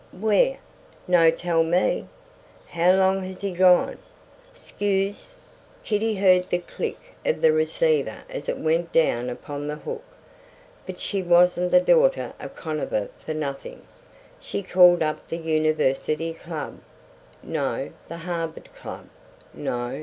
"Where?" "No tell me." "How long has he been gone?" "'Scuse!" Kitty heard the click of the receiver as it went down upon the hook. But she wasn't the daughter of Conover for nothing. She called up the University Club. No. The Harvard Club. No.